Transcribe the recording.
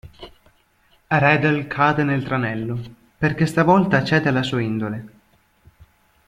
Redl cade nel tranello, perché stavolta cede alla sua indole.